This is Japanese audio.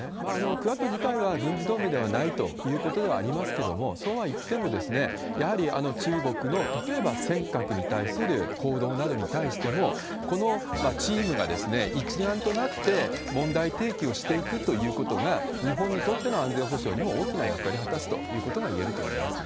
クアッド自体は軍事同盟ではないということではありますけれども、そうはいっても、やはり中国の、例えば尖閣に対する行動などに対しても、このチームが一丸となって問題提起をしていくということが、日本にとっての安全保障にも大きな役割を果たすということが言えると思いますね。